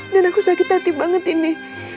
dan aku sakit hati banget ini